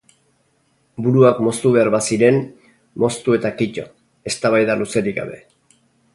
Buruak moztu behar baziren, moztu eta kito, eztabaida luzerik gabe.